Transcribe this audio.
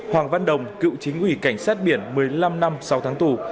hoàng văn đồng cựu chính quỷ cảnh sát biển một mươi năm năm sau tháng tù